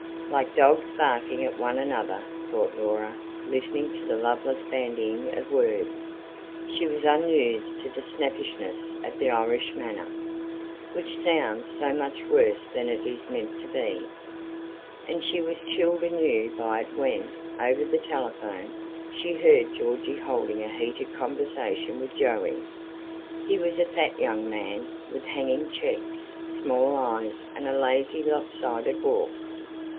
Like dogs barking at one another, thought Laura, listening to the loveless bandying of words she was unused to the snappishness of the Irish manner, which sounds so much worse than it is meant to be: and she was chilled anew by it when, over the telephone, she heard Georgy holding a heated conversation with Joey. He was a fat young man, with hanging cheeks, small eyes, and a lazy, lopsided walk.